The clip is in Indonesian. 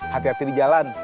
hati hati di jalan